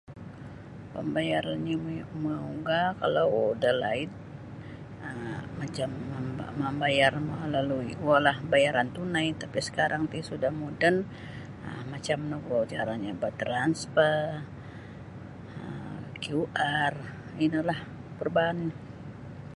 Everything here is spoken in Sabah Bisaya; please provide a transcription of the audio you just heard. Pambayaran mauga uga kalau dalaid um macam mam-mambayar melalui kuo lah pambayaran tunai tapi sekarang ti suda moden um macam no gu caranyo bataransfer um QR ino lah perubaannyo.